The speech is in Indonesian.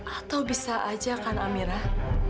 atau bisa saja amirah